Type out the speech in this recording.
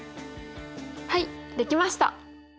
はいできました！